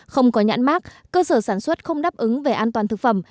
không có nhãn mát cơ sở sản xuất không đáp ứng về an toàn thực phẩm